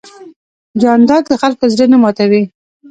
جانداد د خلکو زړه نه ماتوي.